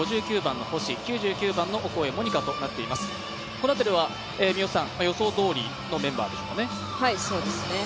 この辺りは予想どおりのメンバーでしょうかね。